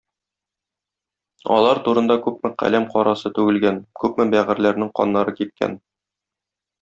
Алар турында күпме каләм карасы түгелгән, күпме бәгырьләрнең каннары кипкән.